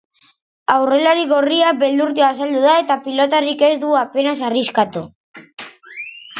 Aurrelari gorria beldurti azaldu da eta pilotarik ez du apenas arriskatu.